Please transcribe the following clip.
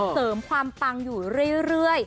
เสริมความปังอยู่เรื่อย